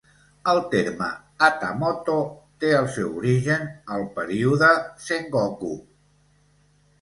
El terme "hatamoto" té el seu origen al període Sengoku.